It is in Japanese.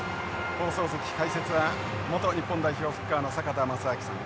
放送席解説は元日本代表フッカーの坂田正彰さん。